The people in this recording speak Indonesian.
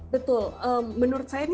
betul menurut saya ini